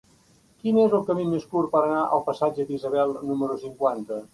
Quin és el camí més curt per anar al passatge d'Isabel número cinquanta?